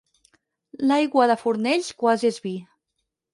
L'aigua de Fornells quasi és vi.